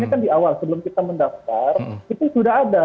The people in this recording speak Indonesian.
ini kan di awal sebelum kita mendaftar itu sudah ada